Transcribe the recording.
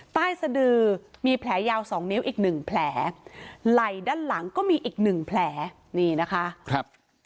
ใต้สะดือมีแผลยาวสองนิ้วอีกหนึ่งแผลไหล่ด้านหลังก็มีอีกหนึ่งแผลนี่นะคะครับ